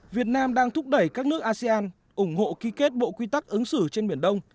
việt nam đang thúc đẩy các nước asean ủng hộ ký kết bộ quy tắc ứng xử trên biển đông